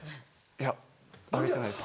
いやあげてないです。